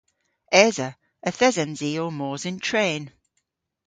Esa. Yth esens i ow mos yn tren.